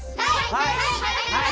はい！